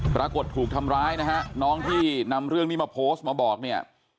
ถูกทำร้ายนะฮะน้องที่นำเรื่องนี้มาโพสต์มาบอกเนี่ย